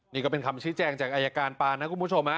นี่ก็เป็นคำชี้แจงจากอายการปานนะคุณผู้ชม